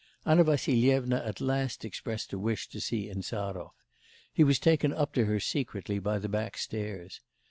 Anna Vassilyevna at last expressed a wish to see Insarov. He was taken up to her secretly by the back stairs.